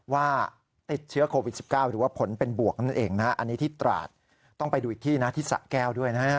ว่าติดเชื้อโควิด๑๙หรือว่าผลเป็นบวกนั่นเองนะฮะอันนี้ที่ตราดต้องไปดูอีกที่นะที่สะแก้วด้วยนะฮะ